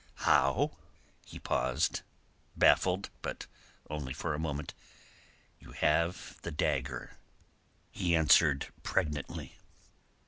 "How?" He paused, baffled; but only for a moment. "You have the dagger," he answered pregnantly.